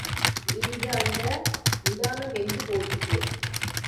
இன்று அந்த நிதானம் எங்குப் போயிற்று?